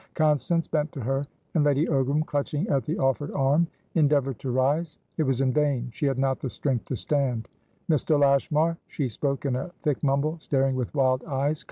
Constance bent to her, and Lady Ogram, clutching at the offered arm, endeavoured to rise. It was in vain; she had not the strength to stand. "Mr. Lashmar!" She spoke in a thick mumble, staring with wild eyes.